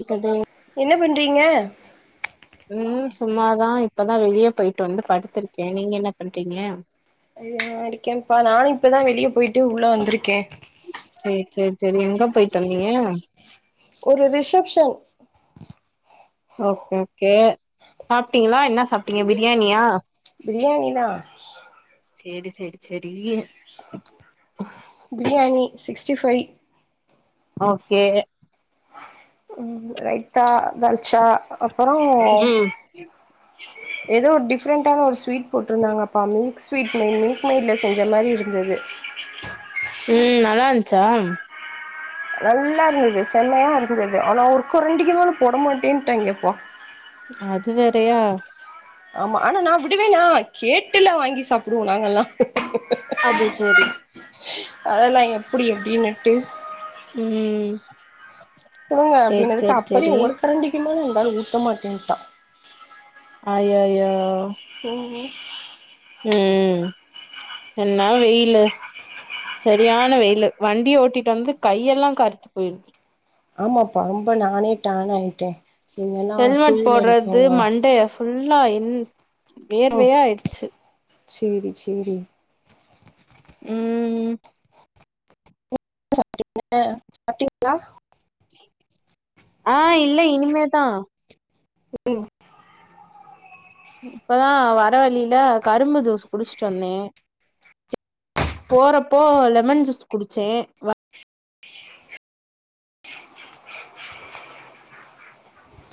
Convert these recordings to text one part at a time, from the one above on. இருக்குது என்ன பண்றீங்க உம் சும்மாதான் இப்பதான் வெளியே போயிட்டு வந்து படுத்திருக்கேன் நீங்க என்ன பண்றீங்க ன் இருக்கேன்ப்பா நானும் இப்பதான் வெளியே போயிட்டு உள்ள வந்திருக்கேன் சேரி சேரி சேரி அண்ணி ஒரு ரிசப்ஷன் ஓகே ஓகே சாப்ட்டீங்களா என்ன சாப்ட்டீங்க பிரியாணியா பிரியாணி தா செரி செரி செரி பிரியாணி சிக்ஸ்டி ஃபைவ் ஓகே உம் ரைட் த்தா தால்ச்சா அப்புறம் ம் ஏதோ ஒரு டிஃப்ரெண்டான ஒரு ஸ்வீட் போட்டிருந்தாங்கப்பா மில்க் ஸ்வீட் மட் மில் மேட்ல செஞ்ச மாதிரி இருந்தது உம் நல்லா இருந்துச்சா நல்லா இருந்தது செம்மையா இருந்தது ஆனா ஒருக்கரண்டிக்கி மேல போட மாட்டேய்ன்ட்டாங்கப்பா அது வேறையா ஆமா ஆனா நான் விடுவேணா கேட்டுல வாங்கி சாப்டுவம் நாங்கல்லாம் அது சரி அதல்லாம் எப்டி எப்டின்னுட்டு உம் குடுங்க அப்டினதுக்கு அப்பதே சேரி ஒரு கரண்டிக்குமேல [unintelligible] மாட்டேன்டான் அய்யயோ உம் உம் என் ன வெயில் சரியான வெயிலு வண்டிய ஓட்டிட்டு வந்து கையெல்லாம் கருத்து போயிடுது ஆமாப்பா ரொம்ப நானே டான் ஆயிட்டேன் ஹெல்மெட் போட்றது மண்டே புள்ளாயின் சேரி சேரி ம் என்ன சாபிட்டீங்க சாப்ட்டீங்களா ஆஹ் இல்ல இனிமேதான் உம் இப்பதான் வர வழியில கரும்பு ஜூஸ் குடிச்சிட்டு வந்தேன் போறப்போ லெமன் ஜூஸ் குடிச்சேன்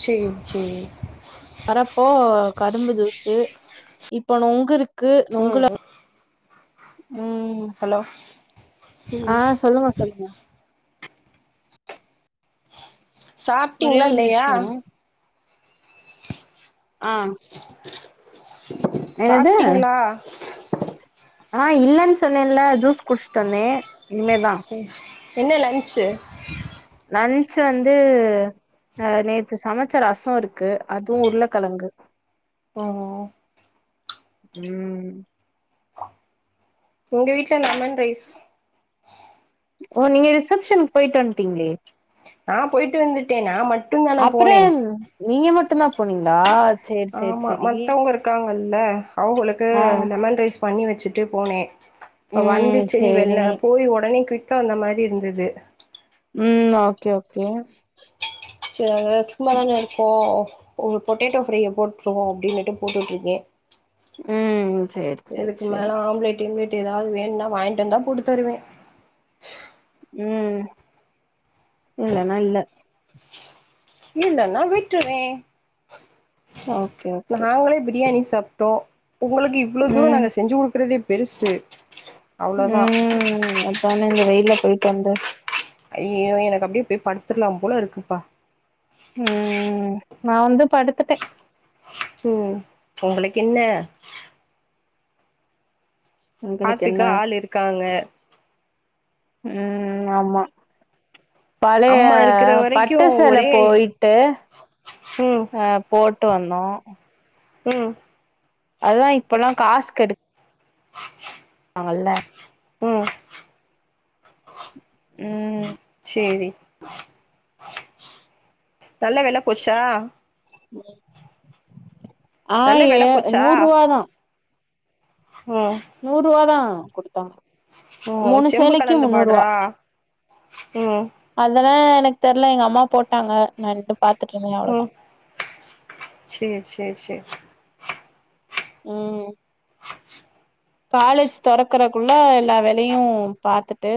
சேரி சேரி வரப்போ கரும்பு ஜூஸு இப்ப நொங்கு இருக் க்கு ம் நுங்கலா ம் உம் ஹலோ ம் ஆஹ் சொல்லுங்க சொல்லுங்க ஒரே சாப்பிட்டீங்களா ஒரு இல்லையா நிமிஷோ ஆஹ் சாப்பிட்டீங்களா ஆஹ் இல்லன்னு சொன்னேன்ல ஜூஸ் குடுச்சிட்டுவந்தேன் இனிமேதான் என்ன லன்ச்சு லன்ச்சு வந்து அஹ் நேற்று சமைச்ச ரசம் இருக்கு அதுவும் உருளைக்கிழங்கு ஓஓ உம் எங்க வீட்டு்ல லெமன் ரைஸ் ஓ நீங்க ரிசப்ஷனுக்கு போயிட்டு வன்டிங்களே நான் போயிட்டு வந்துட்டேன் நான் மட்டும் தானே அப்புறோ போனேன் நீங்க மட்டும்தான் போனீங்களா சேரி சேரி ஆமா சேரி மத்தவங்க இருக்காங்க ல்ல ஆவங்களுக்கு ஆ லெமன் ரைஸ் பண்ணி வச்சுட்டு போனேன் இப்ப ம் வந்துச் சேரி வெள்ள போய் உடனே குக் இருக்க வந்த மாரி இருந்தது உம் ஓகே ஓகே ங்க சும்மதான இருக்கோம் உ பொட்டேட்டோ ஃப்ரைையை போட்டுருவோம் அப்படின்னுட்டு போட்டுட்டு இருக்கேன் உம் சேரி சேரி சேரி ஏதாவது வேணுனா வாங்கிட்டு வந்தா போட்டு தருவேன் உம் இல்ல நா இல்ல இல்லன்னா விட்ருவேன் ஓகே ஓகே நாங்களே பிரியாணி சாப்ட்டோ உங்களுக்கு இவ்ளவு ம் தூரம்ங்க செஞ்சு குடுக்குறதே பெருசு அவ்ளோதா ம் அதா இந்த வெயில போயிட்டு வந்த ஐயோ எனக்கு அப்டியே போய் படுத்துற்லா போல இருக்குப்பா உம் நா வந்து படுத்துட்டே ம் உங்களுக்கு என்ன உங்களுக்கு பாத்துக்க என்ன ஆள் இருக்காங்க ம் ஆமா பலைய அம்மா இருக்கிற வரைக்கு பட்டுசேல ஒரே போயிட்டு ம் அ போட் விட்டு வந்தோ உம் அது தா இப்பல்லா காசு கெடு நாங்கல்ல ம் ம்ம் சேரி நல்ல வேல போச்சா ஆ நல்ல ஏ வெல போச்சா நூறுவா தா ம் நூறுவா தா குடுத்தாங்க ம் மூணு செம்பு சேலைக்கு கலந்த முன்னூறுவா பாட்ரா ம் அதெல்லா எனக்கு தெர்ல எங்க அம்மா போட்டாங்க நண்டு ம் சேரி சேரி சேரி ம் காலேஜ் தொறக்கறக்குள்ள எல்லா வேலையு பாத்துட்டு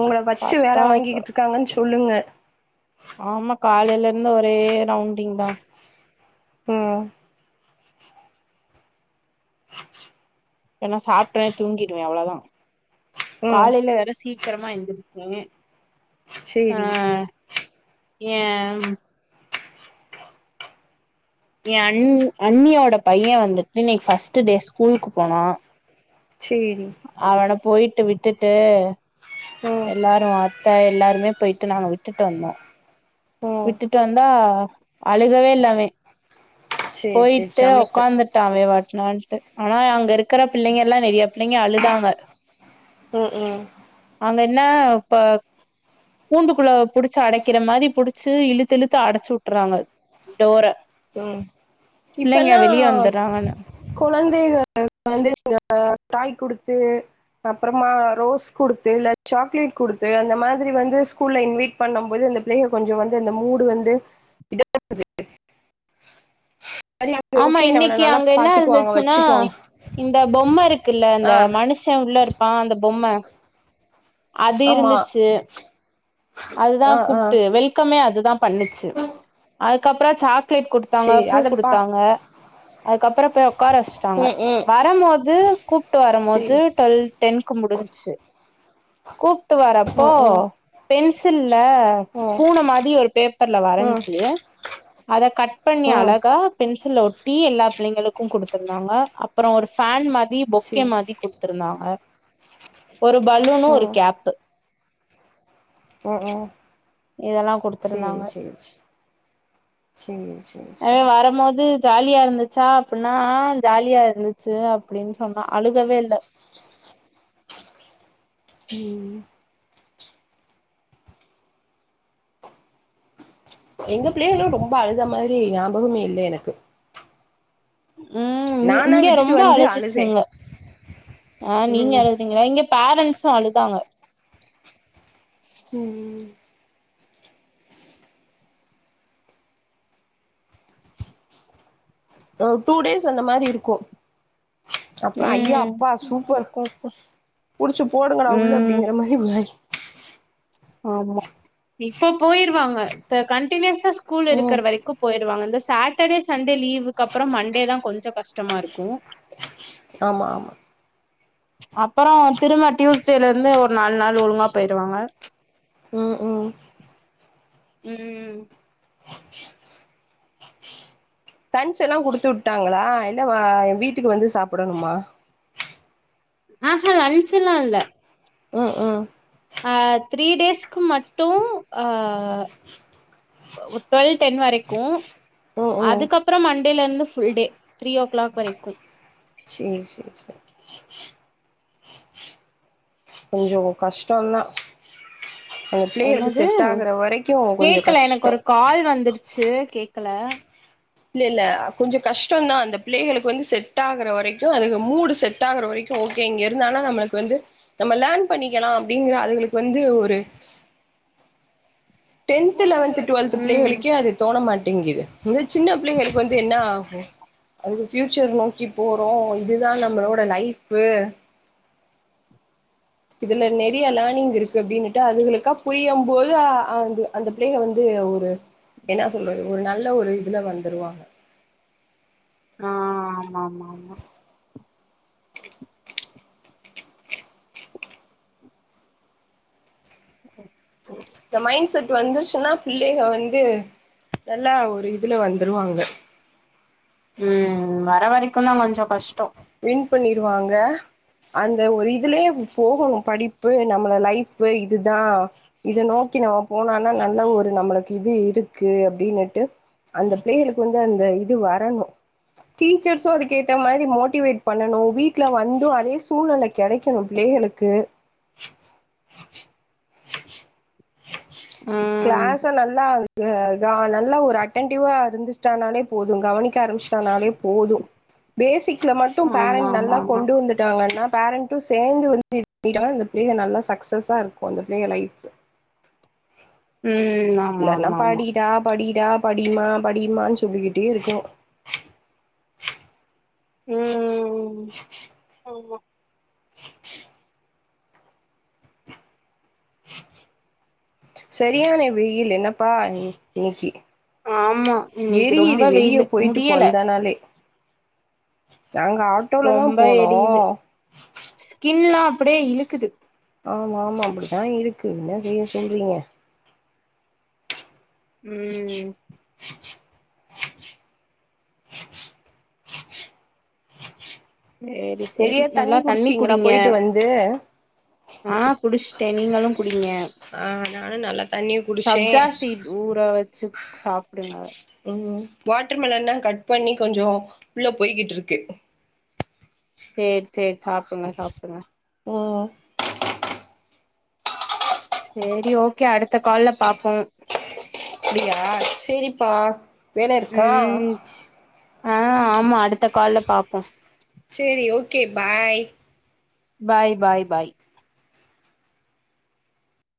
உங்கள வெச்சு வேல பாத்துட்டா வாங்கிகிட்டு இருக்காங்கன்னு சொ சொல்லுங்க ஆமா காலைல இருந்து ஒரே ரவுண்டிங்தா ம் ஏன்னா சாப்ட்டனா தூங்கிருவே அவ்ளோதா ம் காலைல வேற சீக்கிரமா எந்திருச்சே சேரி ஏம் ஏன் அண் அண்ணியோட பைய வந்துட்டு இன்னிக்கு ஃபர்ஸ்ட் டே ஸ்கூலுக்கு போனா சேரி அவன போயிட்டு விட்டுட்டு ம் எல்லாரு அத் த எல்லாருமே போயிட்டு நாங்க விட்டுட்டு வந்தோ ம் விட்டுட்டு வந்தா அழுகவே இல்ல அவெ சேரி சேரி போயிட்டு சமத்து ஒக்காந்துட்டா அவெ பாட்னான் ட்டு ஆனா அங்க இருக்கற பிள்ளைங்கல்லா நெறைய பிள்ளைங்க அழுதாங்க உம் உம் அங்கன்னா இப்ப கூண்டுக்குள்ள புடிச்சு அடைக்கிற மாரி புடிச் சு இழுத்து இழுத்து அடைச்சு விட்டுறாங்க டோர பிள்ளைங்க இப்பெல்லா வெளிய வந்துறாங்கன்னு கொழந்தைக [inaudible] வந்து [inaudible] டாய் குடுத்து அப்புறமா ரோஸ் குடுத்து இல்ல சாக்லேட் குடுத்து அந்த மாதிரி வந்து ஸ்கூல்ல இன்வைட் பண்ணும் போது அந்த பிள்ளைக கொஞ்சம் வந்து அந்த மூடு வந்து [inaudible] ஆமா ஓகே நம்மள இன்னக்கி நல்லா அங்க என்ன பாத்துக்குவாங்க இருந்துச்சுனா வச்சுக்குவாங்க இந்த பொம்ம இருக்குல்ல ஆ இந்த மனுஷ உள்ள இருப்பா அந்த பொம்ம அது ஆமா இருந்துச்சு அதுதா ஆ ஆ கூப்ட்டு வெல்கமே அது தா பண்ணுச்சு அதுக்கப்றோ சாக் லேட் குடுத்தாங்க சேரி பூ அதப்பா குடுத்தாங்க அதுக்கப்றோ போய் உக்கார வச்சுட்டாங்க ம் ம் வரும்போது கூப்ட்டு சேரி வரும்போது டுவெல் டென் க்க முடிஞ்ச்சு கூப்ட்டு வரப்போ ம் ம் பென்சில்ல ம் பூன மாதி ஒரு பேப்பர்ல ம் வரைஞ்சு அத கட் பண்ணி ம் அழகா பென்சில்ல ஒட்டி எல்லா பிள்ளைங்களுக் கும் குடுத்திருந்தாங்க அப்ற ஒரு ஃபேன் மா ரி பொக்கே சேரி மாரி குடுத்துருந்தாங்க ஒரு பலூனு ஒரு கேப்பு உம் உம் இதெல்லா குடுத்தருந்தாங்க சேரி சேரி எ சேரி வரும்போது ஜாலியா இருந்துச்சா அப்பன்னா ஜாலியா இருந்துச்சு அப்டின்னு சொன்னா அழுகவே இல்ல உம் எங்க பிள்ளைங்களு ரொம்ப அழுத மாரி ஞாபகமே இல்ல எனக்கு உம் இங் நானா இங்க விட்டுட்டு ரொம்ப வந்து அழுதே அழுதுச்சுங்க ஆ நீங்க ம் அழுதீங்களா இங்க பேரன்சு அழுதாங்க உம் உ டூ டேஸ் அந்த மாரி இருக்கும் அப்புற ஐயா ம் அப்பா சூப்பர் புடிச்சு போடுங்கடா உள்ள ம் அப்படிங்கிற மாதிரி வ ஆமா இப்போ போயிருவாங்க கண்டினியூஸா ஸ்கூல் இருக்கற ம் வரைக்கு போயிருவாங்க இந்த சாட்டடே சண்டே லீவுக்கு அப்புறம் மண்டே தான் கொஞ்சம் கஷ்டமா இருக்கும் ஆமா ஆமா அப்புரோ திரும்ப டியூஸ்டேல இருந்து ஒரு நாலு நாள் ஒழுங்கா போயிருவாங்க உம் உம் உம் லஞ்ச் எல்லா குடுத்து விட்டாங்களா இல்ல வா என் வீட்டுக்கு வந்து சாப்பிடணுமா ஆ ஹா லன்ச்சல்லா இல்ல உம் உம் த்ரீ டேஸ்க்கு மட்டும் டுவெல் டென் வரைக்கும் ம் ம் அதுக்கப்பு அப்புறம் மண்டேல இருந்து full day three o'clock வரைக்கும் செரி செரி செரி கொஞ்சம் கஷ்டம் தான் அங்க பிள்ளேளுக்கு என்னது செட் ஆகுற வரைக்கும் அ கொஞ்சம் கஷ்டம் ச்சு கேக்கல இல்ல இல்ல கொஞ்சம் கஷ்டம்தான் அந்த பிள்ளைகளுக்கு வந்து செட் ஆகுற வரைக்கும் அதுக்கு மூடு செட் ஆகுற வரைக்கும் ஓகே இங்க இருந்தனா நம்மளுக்கு வந்து நம்ம லேர்ன் பண்ணிக்கலாம் அப்படிங்கற அதுகளுக்கு வந்து ஒரு டென்த் லெவல்த் டுவெல்த் ம் பிள்ளகளுக்கே அது தோண மாட் ங்குது சின்ன பிள்ளைகளுக்கு வந்து என்ன ஆகும் அது பியூச்சர் நோக்கி போறோம் இதுதான் நம்மளோட லைப்உ இதுல நிறைய லேர்னிங் இருக்கு அப்படின்னுட்டு அதுகளுக்கா புரியம் போது அந்த அந்த பிள்ளைக வந்து ஒரு என்ன சொல்ற ஒரு நல்ல ஒரு இதுல வந்துருவாங்க ஆஹ் ஆமா ஆமா ஆமா சரி செரி இந்த மைண்ட் செட் வந்துருச்சுன்னா பிள்ளைங்க வந்து நல்லா ஒரு இதுல வந்துருவாங்க உம் வர வரைக்கும் க்கு தான் கொஞ்சம் கஷ்டம் வின் பண்ணிருவாங்க அந்த ஒரு இதுலயே போகணும் படிப்பு நம்மள லைஃப் இதுதான் இத நோக்கி நம்ம போனம்னா நல்ல ஒரு நம்மளுக்கு இது இருக்கு அப்படின்னுட்டு அந்த பிள்ளைகளுக்கு வந்து அந்த இது வரணும் டீச்சர்ஸும் அதுக்க ஏத்த மாதிரி மோட் டிவேட் பண்ணணும் வீட்டுல வந்து அதே சூழ்நிலை கிடைக்கணும் பிள்ளைகளுக்கு ம் கிளாச நல்லா அது க நா நல்லா ஒரு அட்டென்டிிவ்வா இருந்துட்டானாலே போதும் கவனிக்க ஆரம்பிச்சு ஆனாலே போதும் பேசிக் மட்டும் ஆமா பேரண்ட் ஆமா நல்லா ஆமா கொண்டு வந்துட்டாங்கன்னா பேரண்டட் மட்டும் சேர்ந்து வந்து அ பிள்ளையை நல்லா சக்சஸா இருக்கும் அந்த பிள்ளைைய லைஃப் ம் ஆமா இல்லைன்னா ஆமா ஆமா படிடா படி படியா படிமா படியுமான்னு சொல்லிக்கிட்டே இருக்கும் உஹம் உம் உம் ஆமா சரியானெ வெயில் என்னப்பா இன்னக்கி ஆமா இன்னக்கி ரொம்ப வெயிலு போயிட்டு முடியல வந்தனாலே நாங்க ஆட்டோலதா ரொம்ப போனோ அப்புடியே இழுக்குது ஆமா ஆமா அப்புடித்தா இருக்கு என்ன செய்ய சொல்றீங்க உம் சேரி சேரி நெறைய நல்லா தண்ணி குடிச்சீங்களா குடிங்க போயிட்டு வந்து ஆ குடுச்ட்டே நீங்களும் கு ங்க ஆ நானு நல்லா தண்ணி குடிச்சே சப்ஜா சீட் ஊர வச் சுப் சாப்டுங்க உம் வாட்டர் மெலன்னா கட் பண்ணி கொஞ்சொ உள்ள போய்கிட்ருக்கு சேரி சேரி சாப்டுங்க சாப்டுங்க ம் சேரி ஓகே அடுத்த கால்ல பாப்பொம் அப்டியா செரிப்பா வேல இருக்கா ம்மு அடுத்த கால்ல பாப்போ கே பாய் பாய் பாய் பாய்